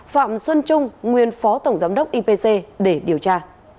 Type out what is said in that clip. phạm xuân trung nguyên phó tổng giám đốc ipc để điều tra